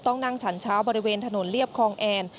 ต้องนั่งฉันเช้าบริเวณถนนเรียบคลองแอน